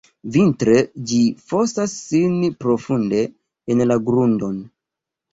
Vintre ĝi fosas sin profunde en la grundon.